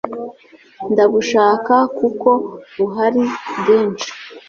ndabushaka kuko buhari bwinshi